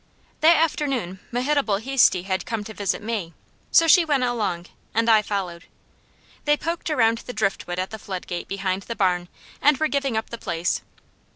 That afternoon Mehitabel Heasty had come to visit May, so she went along, and I followed. They poked around the driftwood at the floodgate behind the barn, and were giving up the place.